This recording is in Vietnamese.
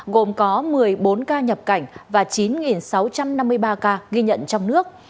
gồm có một mươi bốn ca nhập cảnh và chín sáu trăm năm mươi ba ca ghi nhận trong nước